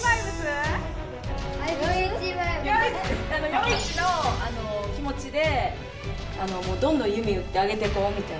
与一の気持ちでどんどん弓うってアゲてこうみたいな。